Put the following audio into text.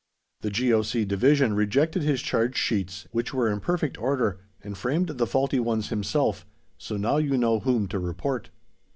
The G.O.C. Division rejected his charge sheets, which were in perfect order, and framed the faulty ones himself, so now you know whom to report."